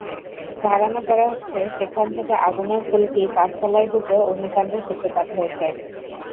ধারণা করা হচ্ছে, সেখান থেকে আগুনের ফুলকি পাঁচতলায় ঢুকে অগ্নিকাণ্ডের সূত্রপাত হয়েছে।